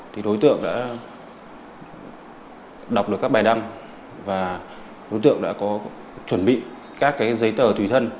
thì đối tượng đã đọc được các bài đăng và đối tượng đã có chuẩn bị các cái giấy tờ tùy thân